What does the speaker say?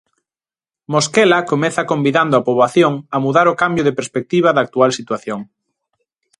Mosquela comeza convidando a poboación a mudar o cambio de perspectiva da actual situación.